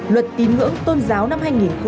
luật tín ngưỡng tôn giáo năm hai nghìn một mươi bốn